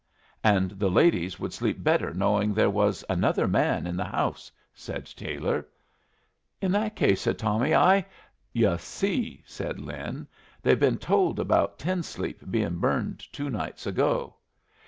"And the ladies would sleep better knowing there was another man in the house," said Taylor. "In that case," said Tommy, "I " "Yu' see," said Lin, "they've been told about Ten Sleep being burned two nights ago."